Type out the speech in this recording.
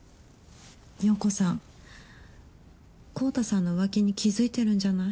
陽子さん昂太さんの浮気に気付いてるんじゃない？